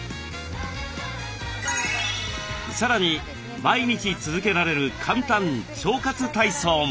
さらに毎日続けられる簡単腸活体操も。